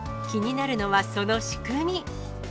気になるのは、その仕組み。